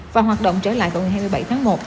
và hoạt động trở lại vào ngày hai mươi bảy tháng một